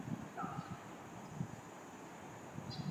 匍枝毛茛为毛茛科毛茛属下的一个种。